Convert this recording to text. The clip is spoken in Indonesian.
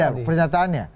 udah berbeda pernyataannya